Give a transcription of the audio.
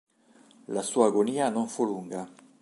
La sua agonia non fu lunga.